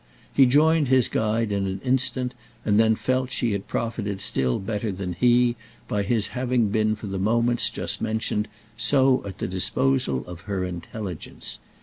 He joined his guide in an instant, and then felt she had profited still better than he by his having been for the moments just mentioned, so at the disposal of her intelligence.